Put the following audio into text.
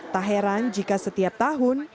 tak heran jika setiap tahun